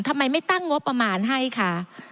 ทำไมไม่ตั้งงบประมาณให้คะ